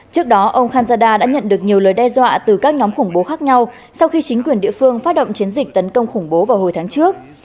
trước đó ông kanzada đã nhận được nhiều lời đe dọa từ các nhóm khủng bố khác nhau sau khi chính quyền địa phương phát động chiến dịch tấn công khủng bố vào hồi tháng trước